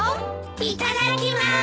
いただきます！